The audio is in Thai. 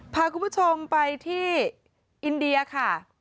พาคุณผู้ชมไปที่อินเดียค่ะ